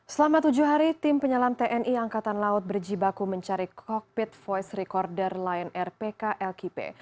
selama tujuh hari tim penyelam tni angkatan laut berjibaku mencari kokpit voice recorder lion air pklkp